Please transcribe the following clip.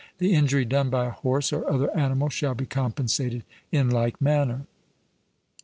The injury done by a horse or other animal shall be compensated in like manner.